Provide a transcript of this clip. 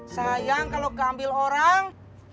sayang kalau keambil orang